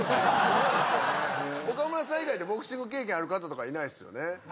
岡村さん以外でボクシング経験ある方とかいないっすよね？